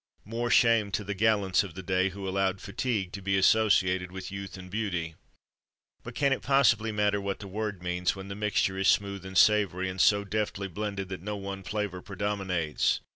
More shame to the gallants of the day, who allowed "fatigue" to be associated with youth and beauty! But can it possibly matter what the word means, when the mixture is smooth and savoury; and so deftly blended that no one flavour predominates?